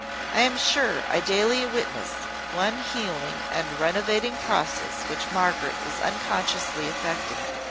I am sure I daily witness one healing and renovating process which Margaret is unconsciously effecting.